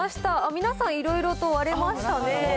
皆さん、いろいろと割れましたね。